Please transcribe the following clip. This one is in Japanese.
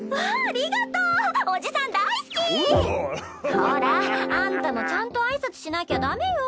ほらあんたもちゃんと挨拶しなきゃダメよ。